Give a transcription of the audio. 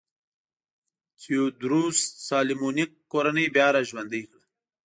تیوودروس سالومونیک کورنۍ بیا را ژوندی کړه.